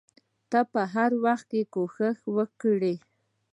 ته به هر وخت کوښښ وکړې.